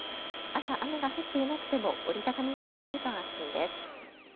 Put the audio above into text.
朝、雨が降っていなくても折り畳み傘があると安心です。